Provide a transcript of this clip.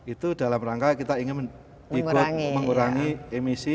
itu dalam rangka kita ingin ikut mengurangi emisi